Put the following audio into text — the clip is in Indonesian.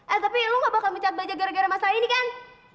eh tapi lo gak bakal mencat baja gara gara masalah ini kan